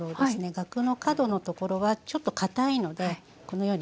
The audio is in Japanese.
ガクの角のところはちょっとかたいのでこのようにむきます。